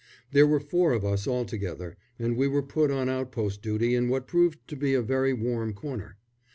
There were four of us altogether, and we were put on outpost duty in what proved to be a very warm corner.